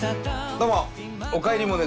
どうも！